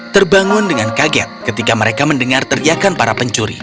terbangun dengan kaget ketika mereka mendengar teriakan para pencuri